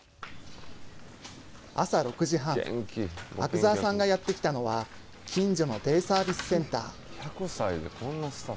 朝６時半阿久澤さんがやってきたのは近所のデイサービスセンター。